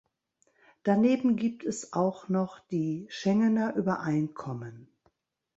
Daneben gibt es auch noch die Schengener Übereinkommen.